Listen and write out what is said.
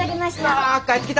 わ帰ってきた！